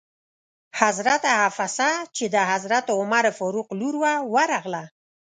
حضرت حفصه چې د حضرت عمر فاروق لور وه ورغله.